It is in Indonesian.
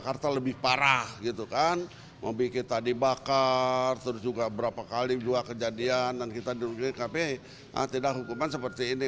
kepada dia kita diunggirin kpi tidak hukuman seperti ini